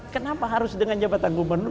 kenapa harus dengan jabatan gubernur